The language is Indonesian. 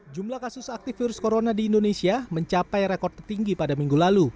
jumlah kasus aktif virus corona di indonesia mencapai rekor tertinggi pada minggu lalu